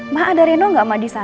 ma ada reno gak sama di sekolah